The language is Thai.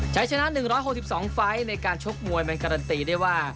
ใช้ชนะ๑๖๒ไฟล์ในการชกมวยมันการันตีได้ว่า